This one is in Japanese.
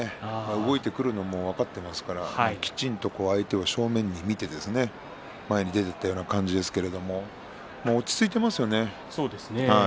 動いてくるのも分かっていますからきちんと相手を正面に見て前に出ていったような感じですけれども落ち着いてますよね。